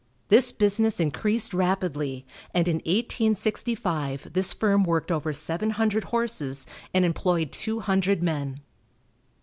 This business increased rapidly, and in 1865 this firm worked over seven hundred horses, and employed two hundred men.